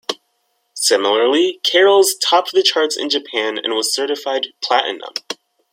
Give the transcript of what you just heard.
Similarly, "Carols" topped the charts in Japan and was certified Platinum.